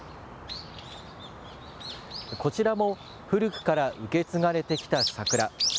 こちらも古くから受け継がれてきた桜。